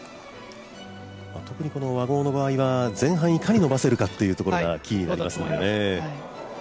特に和合の場合は前半、いかに伸ばせるかがキーになりますね。